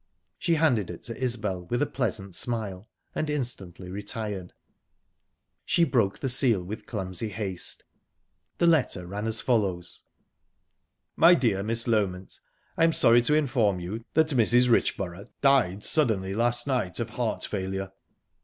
She handed it to Isbel with a pleasant smile, and instantly retired. She broke the seal with clumsy haste. The letter ran as follows: "My dear Miss Loment. "I am sorry to inform you that Mrs. Richborough died suddenly last night of heart failure.